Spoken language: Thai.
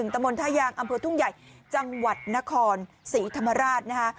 ตะมนต้ายางอำเภอทุ่งใหญ่จังหวัดนครศรีธรรมราชนะคะ